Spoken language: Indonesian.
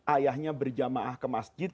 ayahnya berjamaah ke masjid